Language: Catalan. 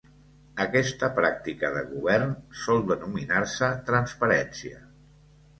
Aquesta pràctica de govern sòl denominar-se transparència.